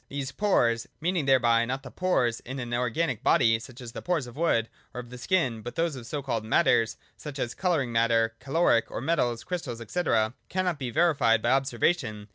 These pores (meaning thereby not the pores in an organic body, such as the pores of wood or of the skin, but those in the so called ' matters,' suc^ as colouring matter, caloric, or metals, crystals, &c.) cah^V be veri fied by observation.